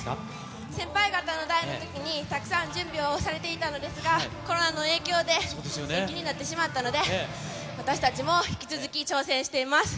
先輩方の代のときにたくさん準備をされていたのですが、コロナの影響で延期になってしまったので、私たちも引き続き、挑戦しています。